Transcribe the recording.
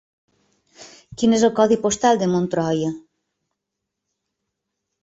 Quin és el codi postal de Montroi?